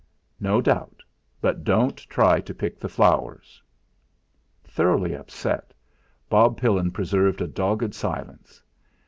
"No doubt. But don't try to pick the flowers." Thoroughly upset, Bob Pillin preserved a dogged silence.